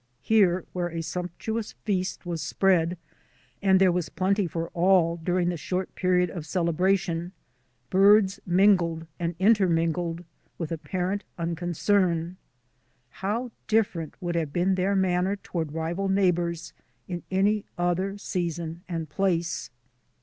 Here, where a sumptuous feast was spread — and there was plenty for all during the short period of celebration — birds mingled and intermingled with apparent unconcern. How dif ferent would have been their manner toward rival neighbours in any other season and place!